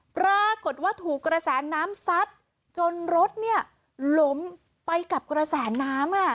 ปรากฏว่าถูกระแสนน้ำซัดจนรถเนี่ยหลมไปกับกระแสนน้ำอ่ะ